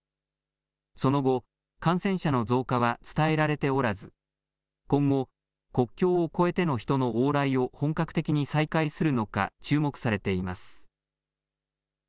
その後、感染者の増加は伝えられておらず今後、国境を越えての人の往来を本格的に再開するのか注目されています。